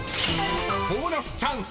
［ボーナスチャンス！］